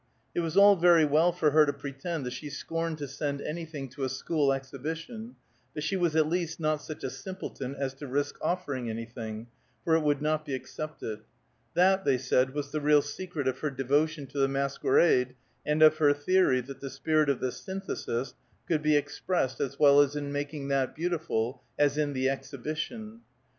It was all very well for her to pretend that she scorned to send anything to a school exhibition, but she was at least not such a simpleton as to risk offering anything, for it would not be accepted. That, they said, was the real secret of her devotion to the masquerade and of her theory that the spirit of the Synthesis could be expressed as well in making that beautiful, as in the exhibition.